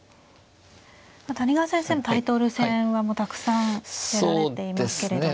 谷川先生もタイトル戦はもうたくさん出られていますけれども。